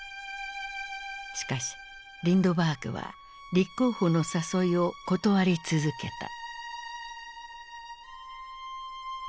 しかしリンドバーグは立候補の誘いを断り続けた。